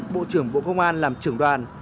bộ trưởng bộ công an làm trưởng đoàn